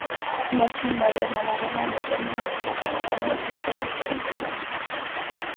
Nació en Marion, Alabama, y murió en Madera, California, tras un accidente de auto.